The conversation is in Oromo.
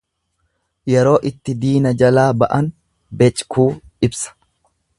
Yeroo itti diina jalaa ba'an beckuu ibsa.